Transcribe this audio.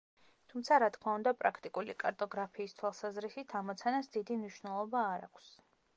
თუმცა, რა თქმა უნდა, პრაქტიკული კარტოგრაფიის თვალსაზრისით ამოცანას დიდი მნიშვნელობა არ აქვს.